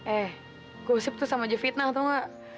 eh gosip tuh sama jevitna tau gak